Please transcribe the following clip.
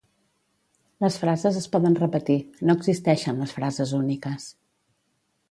Les frases es poden repetir, no existeixen les frases úniques.